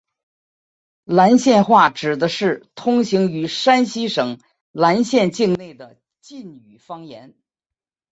岚县话指的是通行于山西省岚县境内的晋语方言。